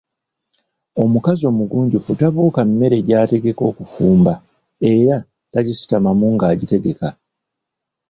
Omukazi omugunjufu tabuuka mmere gy’ategeka okufumba era tagisitamamu ng’agitegeka.